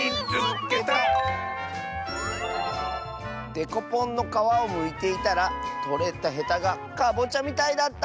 「デコポンのかわをむいていたらとれたへたがかぼちゃみたいだった！」。